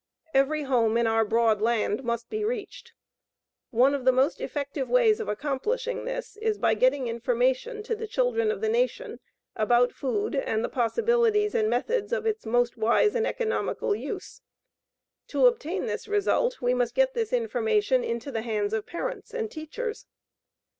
Every home in our broad land must be reached. One of the most effective ways of accomplishing this is by getting information to the children of the nation about food and the possibilities and methods of its most wise and economical use. To obtain this result we must get this information into the hands of parents and teachers.